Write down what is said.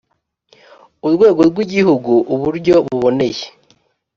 urwego rw Igihugu uburyo buboneye